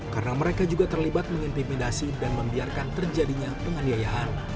karena mereka juga terlibat mengintimidasi dan membiarkan terjadinya penganiayaan